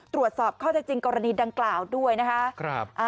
ตรวจสอบข้อเท็จจริงกรณีดังกล่าวด้วยนะคะ